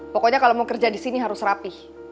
pokoknya kalau mau kerja di sini harus rapih